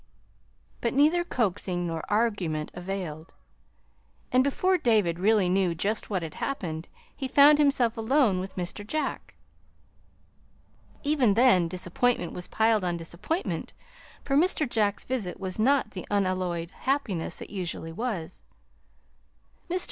But neither coaxing nor argument availed; and before David really knew just what had happened, he found himself alone with Mr. Jack. Even then disappointment was piled on disappointment, for Mr. Jack's visit was not the unalloyed happiness it usually was. Mr.